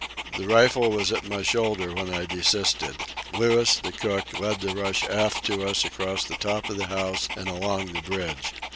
The rifle was at my shoulder when I desisted. Louis, the cook, led the rush aft to us across the top of the house and along the bridge.